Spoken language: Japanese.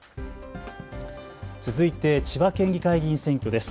続いて千葉県議会議員選挙です。